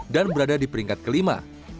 dan berada di peringkat kelima